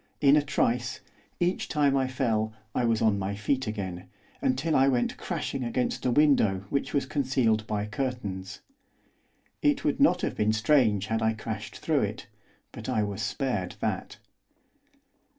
In a trice, each time I fell, I was on my feet again, until I went crashing against a window which was concealed by curtains. It would not have been strange had I crashed through it, but I was spared that.